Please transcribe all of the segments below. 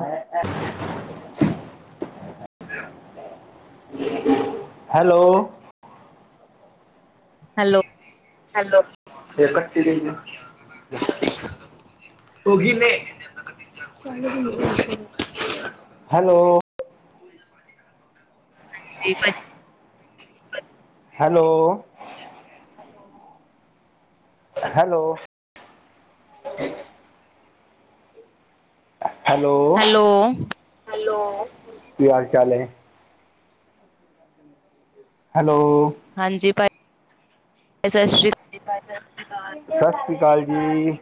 ਅ hello. Hello. Hello ਫ ਕੱਟੀ ਗਈ। ਉਹ ਹੀ ਨੇ ਹੇਲੋ ਤੇ [unintelligible] ਹੈਲੋ ਹੈਲੋ ਠੀ ਹੈਲੋੋ ਹੈਲੋ ਕੀ ਹਾਲ ਚਾਲ ਹੈ ਹੈਲੋ ਸਤਿ ਹਾਂਜੀ ਭ ਸਤਿ ਸ਼੍ਰੀ ਅਕਾਲ ਸਤਿ ਸ੍ਰੀ ਅਕਾਲ ਜੀ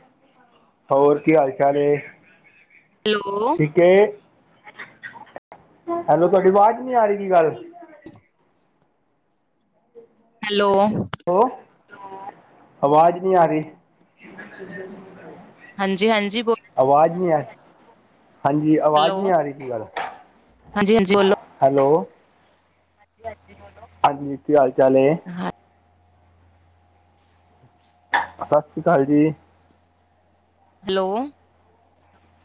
ਹੋਰ ਕੀ ਹਾਲ ਚਾਲ ਹੈਲੋ ਠੀਕ ਹੈ ਹੈਲੋ ਤੁਹਾਡੀ ਆਵਾਜ਼ ਨਹੀਂੀ ਆ ਰਹੀ ਕੀ ਗੱਲ ਹੈਲੋ ਅਵਾਜ਼ ਨਹੀਂੀ ਆ ਰਹੀ ਹਾਂਜੀ ਹਾਂਜੀ ਬੋਲ ਅਵਾਜ਼ ਨਹੀਂੀ ਆ ਹਾਂਜੀ ਅਵਾਜ਼ ਹੈਲੋ ਨਹੀਂੀ ਆ ਰਹੀ ਸੀ ਗੱਲ ਹਾਂਜੀ ਹਾਂਜੀ ਹੈਲੋ ਹਾਂਜੀ ਕੀ ਹਾਲ ਚਾਲ ਹੈ ਬੋਲੋ ਅਸੀ ਕਾਲ ਜ ਹੈਲੋ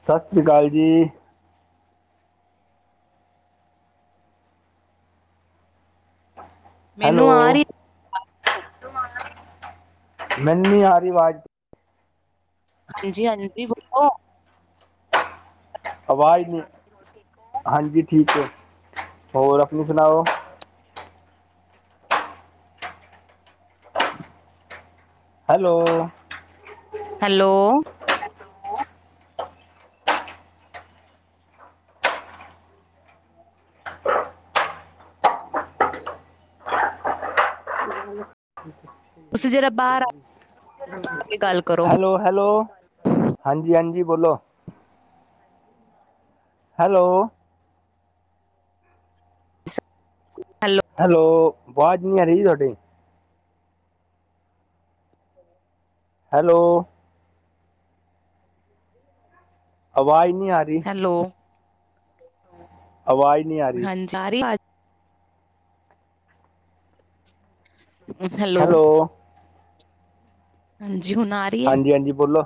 ਸਤਿ ਸ੍ਰੀ ਅਕਾਲ ਜੀ ਮੈਨੂੰ ਹੈਲੋ ਆ ਰਹੀ ਮੈਨੀ ਹਾਰੀ ਆਵਾਜ਼ ਹਾਂਜੀ ਹਾਂਜੀ ਬੋਲੋ ਆਵਾਜ਼ ਨਹੀਂੀ ਹਾਂਜੀ ਠੀਕ ਹੈ ਹੋਰ ਆਪਣੀ ਸੁਣਾਓ ਹ ਹੈਲੋ ਹੈਲੋ ਉਸ ਜਿਹੜਾ ਬਾਹਰ ਆ ਕੇ ਗੱਲ ਕਰੋ ਹੈਲੋ ਹੈਲੋ ਹਾਂਜੀ ਹਾਂਜੀ ਬੋਲੋ ਹੈਲੋ ਹੈਲੋ ਹੈਲੋ ਆਵਾਜ਼ ਨਹੀਂੀ ਆ ਰਹੀ ਤੁਹਾਡੀ ਹੈਲੋ ਆਵਾਜ਼ ਨਹੀਂ ਆ ਰਹੀ ਹੈਲੋ ਆਵਾਜ਼ ਨਹੀਂ ਆ ਰਹੀ । ਹਾਂਜੀ ਆ ਰਹੀ ਹੈ, ਅਵਾਜ਼। ਹੈਲੋ। ਹਾਂਜੀ। ਹੁਣ ਆ ਰਹੀ। ਹੈ ਹਾਂਜੀ- ਹਾਂਜੀ, ਬੋਲੋ।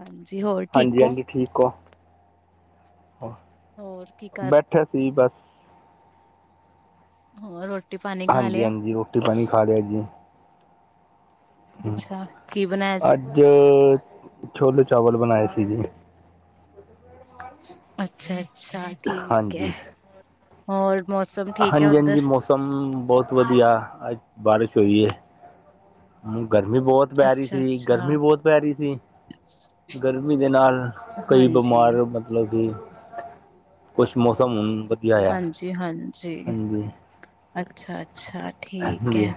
ਹਾਂਜੀ ਹੋਰ ਠੀਕ ਹੋ? ਠੀਕੋ। ਹੁਣ। ਹੋਰ ਕੀ ਕਰ ਰਹੇ? ਬੈਠਾ ਸੀ ਬਸ। ਹੋਰ ਰੋਟੀ ਪਾਣੀ। ਖਾ ਹਾਂਜੀ ਲਿਆ ਹਾਂਜੀ ਰੋਟੀ ਪਾਣੀ ਖਾ ਲਿਆ ਜੀ। ਅੱਛਾ ਕੀ ਬਣਾਇਆ ਸੀ? ਅੱਜ ਛੋਲੋ ਚਾਵਲ ਬਣਾਏ ਸੀ ਜੀ ਅੱਛਾ ਅੱਛਾ ਠੀਕ ਹੈ ਹਾਂਜੀ ਹੋਰ ਮੌਸਮ ਠੀਕ ਹੈ, ਹਾਂਜੀ ਹਾਂਜੀ ਉੱਧਰ? ਮੌਸਮ ਬਹੁਤ ਵਧੀਆ, ਅੱਜ ਬਾਰਿਸ਼ ਹੋਈ ਹੈ ਹਾਂ, ਗਰਮੀ ਬਹੁਤ, ਪੈ ਰਹੀ ਅੱਛਾ ਸੀ। ਅੱਛਾ ਗਰਮੀ ਬਹੁਤ, ਪੈ ਰਹੀ ਸੀ। ਗਰਮੀ ਦੇ ਨਾਲ, ਕਈ ਹਾਂਜੀ, ਬਿਮਾਰ। ਮਤਲਬ, ਕੁਛ ਮੌਸਮ ਹੂੰ, ਵਧੀਆ। ਆ ਹਾਂਜੀ- ਹਾਂਜੀ। ਹਾਂਜੀ ਅੱਛਾ- ਅੱਛਾ, ਠੀਕ ਹਾਂਜੀ ਹੈ।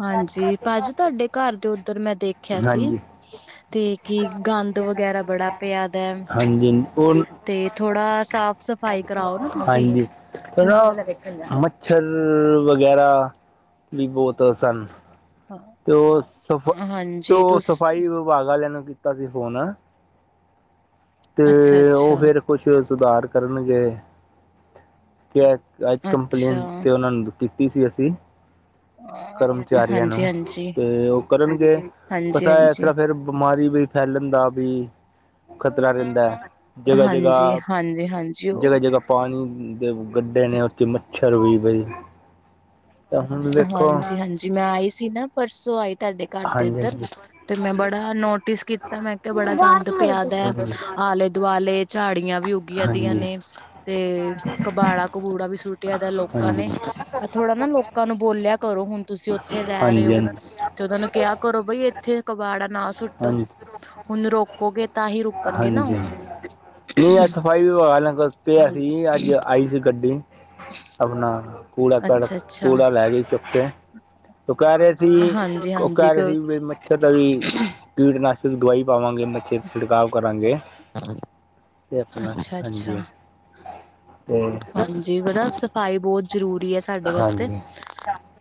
ਹਾਂਜੀ। ਜੀ, ਭਾਜੀ ਤੁਹਾਡੇ, ਘਰ ਦੇ ਉੱਧਰ, ਮੈਂ ਦੇਖਿਆ ਸੀ। ਹਾਂਜੀ ਤੇ, ਕੀ ਗੰਦ, ਵਗੈਰਾ ਬੜਾ ਪਿਆ ਦਾ। ਹਾਂਜੀ। ਉਹਨੂੰ। ਤੇ, ਥੋੜਾ ਸਾਫ- ਸਫ਼ਾਈ, ਕਰਾਓ ਨਾ, ਤੁਸੀਂ। ਹਾਂਜੀ ਮੱਛਰ, ਵਗੈਰਾ ਵੀ, ਬਹੁਤ ਸਨ। ਤੇ ਉਹ, ਸਫ਼ ਤੇ ਹਾਂਜੀ ਉਹ ਤੁਸ ਸਫ਼ਾਈ, ਵਿਭਾਗ ਵਾਲਿਆਂ, ਨੂੰ ਕੀਤਾ ਸੀ ਫੋਨ। ਤੇ, ਅੱਛਾ, ਉਹ ਅੱਛਾ, ਫੇਰ, ਕੁਛ ਸੁਧਾਰ, ਕਰਨਗੇ। ਕਿ। ਅੱਜ, ਅੱਛਾ। ਕੰਪਲੇਂਨ, ਤੇ ਉਹਨਾਂ ਨੂੰ, ਕੀਤੀ ਸੀ। ਅਸੀਂ। ਕਰਮਚਾਰੀਆਂ ਹਾਂਜੀ, ਹਾਂਜੀ, ਨੂੰ। ਹਾਂਜੀ, ਤੇ ਉਹ ਕਰਨਗੇ, ਪਤਾ ਹੈ। ਇਸ ਹਾਂਜੀ। ਤਰਾਂ ਫੇਰ ਬਿਮਾਰੀ ਵੀ। ਫੈਲਣ, ਦਾ ਵੀ। ਖ਼ਤਰਾ, ਰਹਿੰਦਾ ਹੈ। ਜਗਾ- ਜਗਾ, ਹਾਂਜੀ, ਹਾਂਜੀ, ਹਾਂਜੀ ਉਹ ਜਗਾ- ਜਗਾ। ਪਾਣੀ ਦੇ ਗੱਡੇ ਨੇ। ਉਂਥੇ ਮੱਛਰ ਹੋਈ, ਪਈ। ਤਾਂ ਹੁਣ। ਵੇਖੋ ਹਾਂਜੀ- ਹਾਂਜੀ, ਮੈਂ ਆਈ ਸੀ ਨਾ। ਪਰਸੋਂ, ਆਈ ਤੁਹਾਡੇ। ਘਰ ਦੇ ਹਾਂਜੀ ਏਧਰ। ਤੇ ਮੈਂ, ਬੜਾ ਨੋਟਿਸ ਕੀਤਾ। ਤਾਂ ਮੈਂ ਕਿਹਾ, ਬੜਾ ਗੰਦ ਪਿਆ ਦਾ। ਹਾਂਜੀ ਆਲੇ- ਦੁਆਲੇ, ਝਾੜੀਆਂ ਵੀ ਹਾਂਜੀ ਉੱਗੀਆਂ ਦੀਆਂ ਹਾਂਜੀ ਨੇ। ਤੇ ਕਬਾੜਾ- ਕੂਬੂੜਾ, ਵੀ ਸੁੱਟਿਆਦਾ ਲੋਕਾਂ ਨੇ। ਹਾਂਜੀ ਏ ਥੋੜਾ ਨਾ ਲੋਕ। ਲੋਕਾਂ ਨੂੰ ਬੋਲਿਆ ਕਰੋ। ਹੁਣ ਤੁਸੀਂ, ਉੱਥੇ ਰਹਿ ਰਹੇ ਹੋ। ਹਾਂਜੀ ਤੇ ਉਹਨਾਂ ਨੂੰ, ਕਿਹਾ ਕਰੋ, ਬਈ ਇੱਥੇ ਕਬਾੜਾ। ਨਾ ਸੁੱਟੋ। ਹਾਂਜੀ ਹਾਂਜੀ ਹੁਣ ਰੋਕੋਗੇ, ਤਾਂ ਹੀ, ਰੋਕਣਗੇ ਨਾ ਹਾਂਜੀ ਉਹ। ਨਹੀਂ, ਅੱਜ ਸਫ਼ਾਈ ਵਿਭਾਗ, ਆਲਿਆਂ ਨਾਲ ਕਿਹਾ ਉਹ ਸੀ। ਅੱਜ ਆਈ ਸੀ ਗੱਡੀ, ਆਪਣਾ। ਕੂੜਾ- ਕਾੜਾ, ਅੱਛਾ-ਅੱਛਾ ਕੂੜਾ ਲੈ ਗੀ, ਚੱਕ ਕੇ। ਉਹ ਕਹਿ ਰਹੇ ਸੀ। ਉਹ ਹਾਂਜੀ-ਹਾਂਜੀ ਕਹਿ ਰਹੇ ਸੀ, ਵੀ ਮੱਛਰ ਦਾ ਵੀ। ਕੀਟਨਾਸ਼ਕ ਦਵਾਈ, ਪਾਵਾਂਗੇ। ਮੱਛਰ ਤੇ ਛਿੜਕਾਵ ਕਰਾਂਗੇ। ਹਾਂ। ਤੇ, ਆਪਣਾ। ਹਾਂਜੀ। ਤੇ ਹਾਂਜੀ। ਹਨਾ, ਸਫ਼ਾਈ ਬਹੁਤ ਜ਼ਰੂਰੀ ਹੈ। ਸਾਡੇ ਵਾਸਤੇ। ਹਾਂਜੀ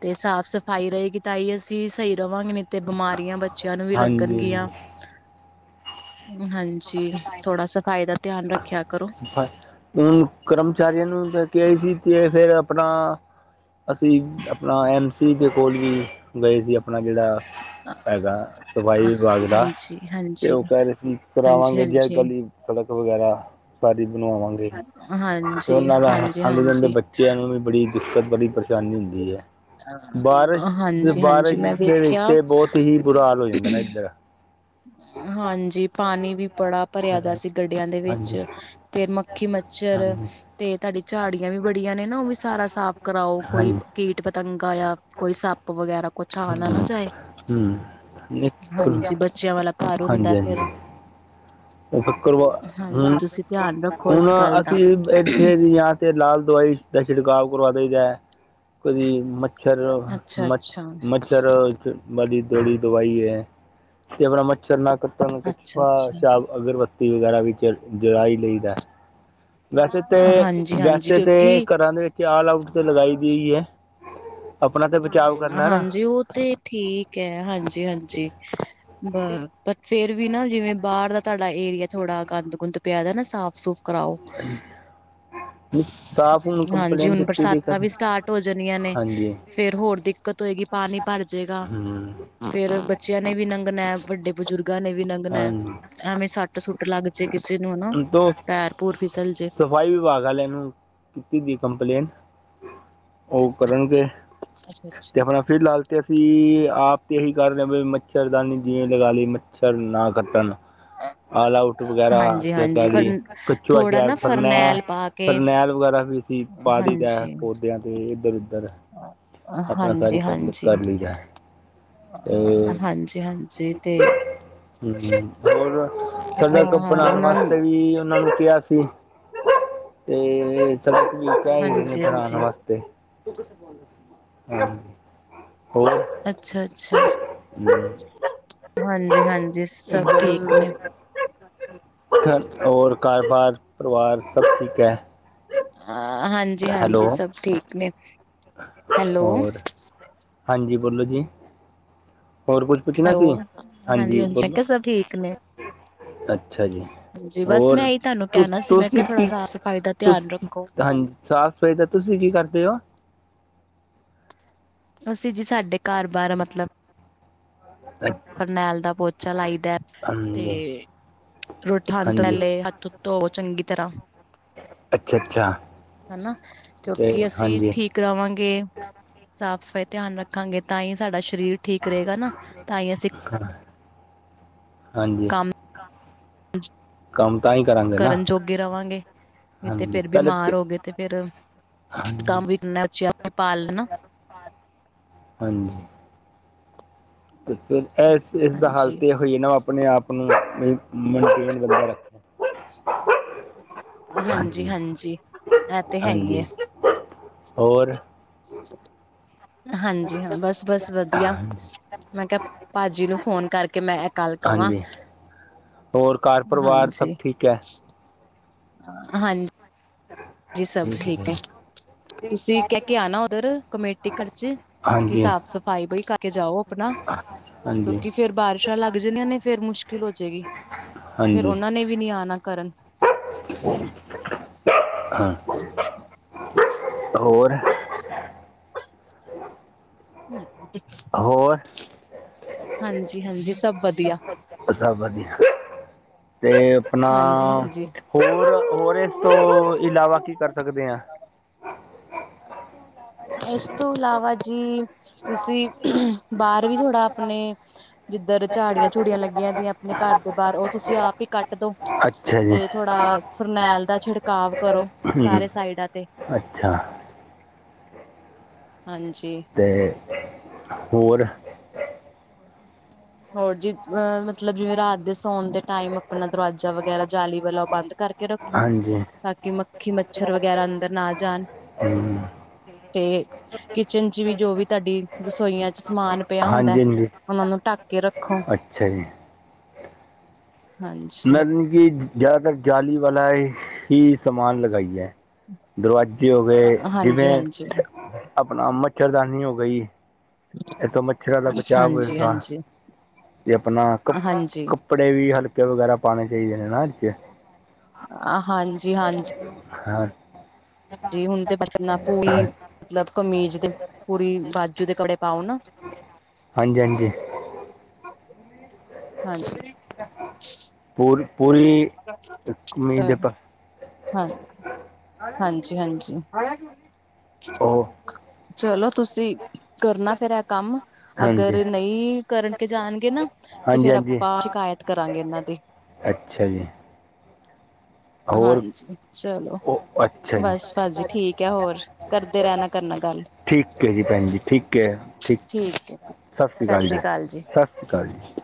ਤੇ, ਸਾਫ਼- ਸਫ਼ਾਈ ਰਹੇਗੀ। ਤਾਂ ਹੀ, ਅਸੀਂ ਸਹੀ ਰਵਾਂਗੇ। ਤੇ, ਬਿਮਾਰੀਆਂ ਬੱਚਿਆਂ ਨੂੰ ਵੀ, ਹਾਂਜੀ ਲੱਗਣਗੀਆਂ। ਹਾਂਜੀ। ਹਾਂਜੀ। ਥੋੜਾ- ਸਫ਼ਾਈ ਦਾ ਧਿਆਨ, ਰੱਖਿਆ ਕਰੋ। ਹੁਣ, ਕਰਮਚਾਰੀਆਂ ਨੂੰ ਲੈਕੇ ਆਈ ਸੀ। ਤੇ ਫੇਰ ਆਪਣਾ ਅਸੀਂ ਆਪਣਾ, ਐਮ ਸੀ, ਦੇ ਕੋਲ ਵੀ, ਗਏ ਸੀ ਆਪਣਾ। ਜੇੜਾ ਹੈਗਾ, ਸਫ਼ਾਈ ਵਿਭਾਗ ਦਾ, ਹਾਂਜੀ ਤੇ ਹਾਂਜੀ ਓ ਕੈ ਰਏ ਸੀ ਹਾਂਜੀ ਕਰਾਵਾਂਗੇ ਜੀ ਅੱਜ ਹਾਂਜੀ ਕਲ੍ਹ ਈ, ਸੜਕ ਵ ਵਗੈਰਾ, ਸਾਰੀ ਬਣਵਾਵਾਂਗੇ, ਤੇ ਹਾਂਜੀ ਓਨਾਂ ਦਾ ਹਾਂਜੀ ਆਂਦੇ ਜਾਂਦੇ ਹਾਂਜੀ ਬੱਚਿਆਂ ਨੂੰ ਔਨੂੰ ਵੀ ਬੜੀ ਦਿੱਕਤ, ਬੜੀ ਪਰੇਸ਼ਾਨੀ ਹੁੰਦੀ ਐ। ਬਾਰਿਸ਼, ਹਾਂਜੀ ਹਾਂਜੀ ਬਾਰਿਸ਼ ਮੈਂ ਦੇ ਵਿੱਚ ਵੇਖਿਆ ਤੇ, ਬੋਤ ਹੀ ਬੁਰਾ ਹਾਲ ਹੋ, ਜਾਂਦਾ ਨਾ ਇੱਧਰ। ਹਾਂਜੀ। ਪਾਣੀ ਵੀ, ਬੜਾ ਭਰਿਆ ਦਾ ਹਾਂ, ਸੀ। ਗੱਡੀਆਂ ਦੇ ਵਿੱਚ। ਹਾਂਜੀ ਫੇਰ, ਮੱਖੀ-ਮੱਛਰ। ਹਾਂਜੀ ਤੇ, ਤੁਹਾਡੀੇ ਝਾੜੀਆਂ ਵੀ, ਬੜੀਆਂ ਨੇ ਨਾ, ਓ ਵੀ ਸਾਰਾ ਸਾਫ਼ ਕਰਾਓ। ਕੋਈ ਹਾਂਜੀ ਕੀਟ, ਪਤੰਗਾ ਜਾਂ ਕੋਈ, ਸੱਪ ਵਗੈਰਾ। ਕੁੱਛ ਆ ਨਾ, ਨਾ ਹੂੰ ਜਾਏ। ਹੂੰ ਨਹੀਂ, ਕਰੋ। ਹਾਂਜੀ ਬ ਬੱਚਿਆਂ ਵਾਲਾ, ਘਰ ਹੁੰਦਾ ਏ। ਫੇਰ ਓ [unintelligible] ਹਾਂਜੀ ਹੁਣ, ਤੁਸੀਂ ਧਿਆਨ ਰੱਖੋ ਹੁਣ ਇਸ ਗੱਲ ਦਾ ਅਸੀਂ ਇੱਥੇ ਦੀਆਂ। ਫੇਰ, ਲਾਲ ਦਵਾਈ ਦਾ ਛਿੜਕਾਵ ਕਰਵਾ ਦਈ ਦਾ ਏ। ਕਦੀ । ਛਰ ਅੱਛਾ ਮੱਛ ਅੱਛਾ ਮੱਛਰ ਏਥੇ ਬੜੀ ਦੋੜੀ ਦਵਾਈ ਏ, ਤੇ ਆਪਣਾ ਮੱਛਰ ਨਾ ਕੱਟਣ ਕੁਛ ਅੱਛਾ [unintelligible] ਅੱਛਾ ਅਗਰਬੱਤੀ ਵਗੈਰਾ ਵੀ ਜਲ, ਜਲਾ ਈ ਲਈਦਾ ਐ। ਵੈਸੇ ਤੇ, ਹਾਂਜੀ ਹਾਂਜੀ ਵੈਸੇ ਤੇ ਕਿਉਂਕਿ ਘਰਾਂ ਦੇ ਵਿੱਚ, ਆਲ ਆਊਟ ਤੇ ਲਗਾਈ ਦੀ ਈ ਐ। ਅਪਣਾ ਤੇ ਬਚਾਵ ਕਰਨਾ ਏ ਨਾ। ਓਹ ਔਥੇ ਠੀਕ ਐ, ਹਾਂਜੀ-ਹਾਂਜੀ। ਬ ਤਕ ਫੇਰ ਵੀ ਨਾ ਜਿਵੇਂ, ਬਾਰ ਦਾ ਤੁਹਾਡਾ ਏਰੀਆ ਥੋੜਾ ਗੰਦ ਗੁੰਦ ਪਿਆ ਦਾ ਨਾ, ਸਾਫ਼ ਸੁਫ ਕਰਾਓ। ਸਾਫ਼ ਹੁਣ ਹਾਂਜੀ, ਕੰਪਲੇਂਟ ਹੁਣ ਦਿੱਤੀ ਦੀ ਕਰ ਬਰਸਾਤਾਂ ਵੀ ਸਟਾਰਟ ਹੋ ਜਾਣੀਆਂ ਨੇ। ਹਾਂਜੀ ਫੇ ਫੇਰ ਹੋਰ ਦਿੱਕਤ ਹੋਏਗੀ, ਪਾਣੀ ਭਰ ਜੇਗਾ। ਹਮ ਫੇਰ ਬੱਚਿਆਂ ਨੇ ਵੀ ਨੰਗਣਾ ਏ, ਵੱਡੇ ਬਜ਼ੁਰਗਾਂ ਨੇ ਵੀ ਲੰਗਣਾ ਏ, ਹਾਂਜੀ ਐਵੇਂ ਸ ਟ ਸੁੱਟ ਲੱਗ ਜੇ ਕਿਸੇ ਨੂੰ ਹਨਾ, ਪੈਰ ਪੂਰ ਫਿਸਲ ਜੇ। ਸਫ਼ਾਈ ਵਿਭਾਗ ਆਲੇ ਨੂੰ, ਕੀਤੀ ਦੀ ਕੰਪਲੇਨ। ਔਹ ਕਰਨਗੇ। ਅੱਛਾ ਅੱਛਾ ਤੇ ਆਪਣਾ ਫਿਰ ਲਾਲ ਤੇ ਅਸੀਂ, ਆਪ ਤੇ ਏਹੀ ਕਰ ਰਏ ਆ, ਵੀ ਮੱਛਰਦਾਨੀ ਜਿਵੇਂ ਲਗਾ ਲੀ, ਮੱਛਰ ਨਾ ਕੱਟਣ। ਆਲ ਆਊਟ ਵਗੈਰਾ। ਹਾਂਜੀ [unintelligible] ਹਾਂਜੀ ਫ ਗਾਲੀ, ਕੱਛੂਆ ਥੋੜਾ ਨਾ ਸ਼ਾਪ, ਫਰਨੈ, ਫਰਨੈਲ ਪਾ ਕੇ ਫਰਨੈਲ ਵਗੈਰਾ ਵੀ ਅਸੀ ਪਾ ਦਈ ਦਾ ਏ ਪੌਦੇਆਂ ਤੇ, ਇੱਧਰ-ਉੱਧਰ। ਹਾਂਜੀ-ਹਾਂਜੀ। ਲਈਦਾ ਹੈ ਤੇ ਅਅਹ ਹਾਂਜੀ-ਹਾਂਜੀ ਤੇ ਹੂੰ-ਹੂੰ, ਹੋਰ ਹਾਂ ਸੜਕ ਹਾਂ ਬਣਾਣ ਉਹਨਾਂ ਵਾਸ ਨੂੰ ਕੀ ਉਨ੍ਹਾਂ ਨੂੰ ਕਿਆ ਸੀ, ਤੇ [unintelligible] ਵੀ ਚਾਈਦੇ ਨੇ ਹਾਂਜੀ ਬਣਾਣ ਹਾਂਜੀ ਵਾਸਤੇ, ਹੂੰ, ਹੋਰ? ਅੱਛਾ-ਅੱਛਾ, ਹਮ, ਹਾਂਜੀ ਹਨ ਜੀ, ਸਭ ਠੀਕ ਨੇ। ਇੱਧਰ ਘਰ ਬਾਰ, ਪਰਿਵਾਰ ਸਭ ਠੀਕ ਐ? ਅਅਹ ਹਾਂਜੀ-ਹਾਂਜੀ ਸਭ ਠੀਕ ਨੇ। ਹੈਲੋ ਹੋਰ? ਹਾਂਜੀ ਬੋਲੋ ਜੀ, ਹੋਰ ਕੁੱਜ ਹੈਲੋ, ਹਾਂਜੀ-ਹਾਂਜੀ, ਮੈਂ ਕਿਆ ਸਭ ਠੀਕ ਨੇ। ਅੱਛਾ ਜੀ। ਹਾਂਜੀ ਬਸ ਹੋਰ ਮੈਂ ਇਹੀ ਤੁਹਾਨੂੰ ਤੁ ਕਹਿਣਾ ਸੀ ਮੈਂ ਕਿਹਾ ਤੂਸੀਂ ਥੋੜਾ ਕੀ, ਸਾਫ਼ ਸਫ਼ਾਈ ਦਾ ਤੁਸ ਧਿਆਨ ਰੱਖੋ ਹਾਂਜ ਸਾਫ਼ ਸਫਾਈ ਤੇ ਤੁਸੀਂ ਕੀ ਕਰਦੇ ਓ? ਅਸੀਂ ਜੀ, ਸਾਡੇ ਕਾਰ ਬਾਰ ਮਤਲਬ ਅੱਛ- ਫਰਨੈਲ ਦਾ ਪੋਚਾ ਲਾਈਦਾ ਏ, ਹਾਂਜੀ ਤੇ [unintelligible] ਹਾਂਜੀ ਤੱ ਤੋ ਚੰਗੀ ਤਰ੍ਹਾਂ। ਅੱਛਾ-ਅੱਛਾ। ਹਨਾ, ਕਿਉਂਕਿ ਅਸੀਂ ਠੀਕ ਕਰਾਵਾਂਗੇ, ਸਾਫ਼ ਸਫ਼ਾਈ ਧਿਆਨ ਰੱਖਾਂਗੇ, ਤਾਂ ਹੀ ਸਾਡਾ ਸ਼ਰੀਰ ਠੀਕ ਰਹੇਗਾ ਨਾ? ਤਾਂ ਹੀ ਅਸੀਂ ਹਾਂਜੀ ਕੰਮ ਕੰਮ ਤਾਂ ਹੀ ਕਰਾਂਗੇ ਨਾ ਕਰਨ ਜੋਗੇ ਰਵਾਂਗੇ। ਨੀ ਤੇ ਹਾਂਜੀ ਫਿਰ ਪਹਿਲੇ ਬਿਮਾਰ ਹੋ ਗਏ ਤੇ ਫਿਰ, ਹਾਂਜੀ ਕੰਮ ਵੀ ਇਨਾ ਅਛਾ ਆਪਾ ਪਾਲ ਲਣਾ। ਹਾਂਜੀ। ਤੇ ਫਿਰ ਏਸ, ਇਸ ਦਾ ਹਲ ਹਾਂਜੀ ਤੇ ਐਹੋ ਈ ਨਾ, ਆਪਣੇ ਆਪ ਨੂੰ ਮ ਮੰਟੇਨ ਬੰਦਾ ਰੱਖਦਾ। ਹਾਂਜੀ ਹਾਂਜੀ-ਹਾਂਜੀ, ਏਹ ਤੇ ਹੈ ਈ ਏ। ਹਾਂਜੀ ਹੋਰ? ਹਾਂਜੀ ਹਾਂ, ਬਸ-ਬਸ ਵਧੀਆ। ਮੈਂ ਕੇਹਾ, ਭਾਜੀ ਨੂੰ ਫੋਨ ਕਰਕੇ, ਮੈਂ ਏਹ ਕੱਲ ਕਵਾਂ। ਹਾਂਜੀ ਹੋਰ ਘਰ ਪਰਿਵਾਰ ਸਭ ਠੀਕ ਐ? ਹਾਂ [unintelligible] ਜੀ ਸਭ ਹੈ ਠੀਕ ਜੀ। ਨੇ। ਤੁਸੀਂ ਕਹਿ ਕੇ ਆਣਾ ਓਧਰ, ਕਮੇਟੀ ਘਰ ਚ ਕੀ ਹਾਂਜੀ ਸਾਫ਼-ਸਫ਼ਾਈ [unintelligible] ਕਰਕੇ ਜਾਓ ਆਪਣਾ। ਹਾਂਜੀ ਕਿਉਂਕਿ ਫੇਰ ਬਾਰਿਸ਼ਾਂ ਲੱਗ ਜਨੀਆਂ ਨੇ, ਫੇਰ ਮੁਸ਼ਕਿਲ ਹੋਜੇਗੀ ਫੇਰ ਹਾਂਜੀ ਓਨਾਂ ਨੇ ਵੀ ਨੀ ਆਣਾ ਕਰਨ। ਹਾਂ। ਹੋਰ ਹਮ ਹੋਰ? ਹਾਂਜੀ, ਹਾਂਜੀ, ਸਭ ਵਧੀਆ ਸਭ ਵਧੀਆ ਤੇ ਆਪਣਾ ਹਾਂਜੀ ਹਾਂਜੀ ਹੋਰ ਹੋਰ ਇਸ ਤੋਂ ਇਲਾਵਾ ਕੀ ਕਰ ਸਕਦੇ ਹਾਂ? ਇਸ ਤੋਂ ਇਲਾਵਾ ਜੀ, ਤੁਸੀਂ ਬਾਹਰ ਵੀ ਥੋੜਾ ਆਪਣੇ, ਜਿੱਧਰ ਝਾੜੀਆਂ ਝੂੜੀਆਂ ਲੱਗੀਆਂ ਦੀਆਂ ਆਪਣੇ ਘਰ ਦੇ ਬਾਹਰ, ਉਹ ਤੁਸੀਂ ਆਪ ਹੀ ਕੱਟ ਦੋ ਅੱਛਾ ਜੀ ਤੇ ਥੋੜਾ ਫਰਨੈਲ ਦਾ ਛਿੜਕਾਵ ਕਰੋ ਹੂੰ ਸਾਰੇ ਸਾਈਡਾਂ ਤੇ ਅੱਛਾ ਹਾਂਜੀ ਅਤੇ ਹੋਰ? ਹੋਰ ਜੀ ਅ ਮਤਲਬ ਜਿਵੇਂ ਰਾਤ ਦੇ ਸੌਣ ਦੇ ਟਾਈਮ ਆਪਣਾ ਦਰਵਾਜ਼ਾ ਵਗੈਰਾ ਜਾਲੀ ਵਾਲਾੋਂ ਬੰਦ ਕਰਕੇ ਰੱਖੋ ਹਾਂਜੀ ਤਾਂ ਕਿ ਮੱਖੀ ਮੱਛਰ ਵਗੈਰਾ ਅੰਦਰ ਨਾ ਜਾਣ ਹਮ। ਤੇ ਕਿਚਨ ਚ ਵੀ ਜੋ ਵੀ ਤੁਹਾਡੀ ਰਸੋਈਆਂ ਚ ਸਮਾਨ ਪਿਆ ਹੁੰਦਾ ਹਾਂਜੀ ਹਾਂਜੀ ਉਹਨਾਂ ਨੂੰ ਚੱਕ ਕੇ ਰੱਖੋ ਅੱਛਾ ਜੀ ਹਾਂਜੀ ਮੈਂ ਕਿ ਜ਼ਿਆਦਾਤਰ ਜਾਲੀ ਵਾਲਾ ਹੀ ਸਾਮਾਨ ਲਗਾਈ ਹੈ ਦਰਵਾਜ਼ੇ ਹੋ ਗਏ। ਹਾਂਜੀ ਜਿਵੇਂ ਹਾਂਜੀ ਆਪਣਾ ਮੱਛਰਦਾਨੀ ਹੋ ਗਈ। ਇਹ ਤਾਂ ਮੱਛਰਾਂ ਦਾ ਬਚਾ ਹਾਂਜੀ ਹੋਏਗਾ ਹਾਂਜੀ ਜੇ ਆਪਣਾ ਕ ਹਾਂਜੀ ਕੱਪੜੇ ਵੀ ਹਲਕੇ ਵਗੈਰਾ ਪਾਉਣੇ ਚਾਹੀਦੇ ਨੇ ਨਾ ਆ ਹਾਂਜੀ ਹਾਂਜੀ ਹਾਂ ਜੀ ਹੁਣ ਤੇ ਬਨਾ ਹਾਂ ਪੂਰੀ ਮਤਲਬ ਕਮੀਜ਼ ਦੇ ਪੂਰੀ ਬਾਜੂ ਦੇ ਕਪੜੇ ਪਾਓ ਨਾ ਹਾਂਜੀ ਹਾਂਜੀ ਹਾਂਜੀ ਪੂਰੀ ਪੂਰੀ ਮ ਦੇ ਪ ਹਾਂ ਹਾਂਜੀ ਹਾਂਜੀ ਆਹੋ ਚਲੋ ਤੁਸੀਂ ਕਰਨਾ ਫੇਰ ਇਹ ਕੰਮ ਹਾਂਜੀ ਅਗਰ ਨਹੀਂ ਕਰਕੇ ਜਾਣਗੇ ਨਾ ਤੇ ਹਾਂਜੀ ਫੇਰ ਹਾਂਜੀ ਆਪਾਂ ਸ਼ਿਕਾਇਤ ਕਰਾਂਗੇ ਇਹਨਾਂ ਦੀ ਅੱਛਾ ਜੀ, ਹੋਰ ਹਾਂਜੀ, ਚਲੋ ਉਹ ਅੱਛਾ ਜੀ ਬਸ ਭਾਜੀ ਠੀਕ ਐ, ਹੋਰ ਕਰਦੇ ਰਹਿਣਾ ਕਰਨਾ ਗੱਲ ਠੀਕ ਹੈ ਜੀ ਭੈਣ ਜੀ ਠੀਕ ਹੈ। ਠੀਕ ਹੈ ਸਤਿ ਸ਼੍ਰੀ ਅਕਾਲ ਜ ਸਤਿ ਸ਼੍ਰੀ ਅਕਾਲ ਜੀ